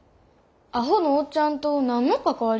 アホのおっちゃんと何の関わりがあるん？